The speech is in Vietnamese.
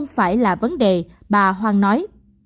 phải là vấn đề bà hoàng nói